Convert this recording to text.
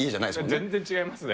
全然違いますね。